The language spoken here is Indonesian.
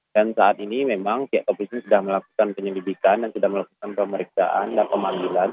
dan saat ini memang pihak polisian sudah melakukan penyelidikan dan sudah melakukan pemeriksaan dan pemambilan